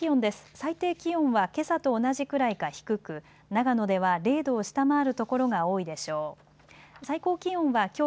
最低気温はけさと同じくらいか低く長野では０度を下回る所が多いでしょう。